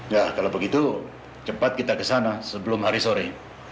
ya kalau begitu cepat kita ke sana sebelum hari sore